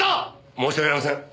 申し訳ありません。